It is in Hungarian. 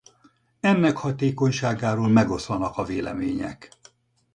Ennek hatékonyságáról megoszlanak a vélemények.